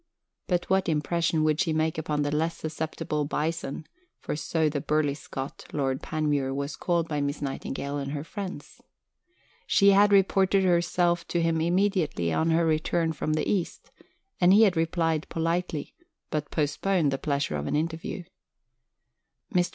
But what impression would she make upon the less susceptible "Bison" (for so the burly Scot, Lord Panmure, was called by Miss Nightingale and her friends)? She had reported herself to him immediately on her return from the East, and he had replied politely, but postponed the pleasure of an interview. Mr.